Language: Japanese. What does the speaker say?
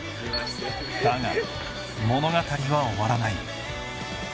だが、物語は終わらない。